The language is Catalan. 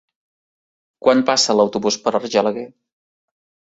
Quan passa l'autobús per Argelaguer?